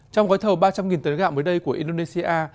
trong gói thầu ba trăm linh tấn gạo mới đây của indonesia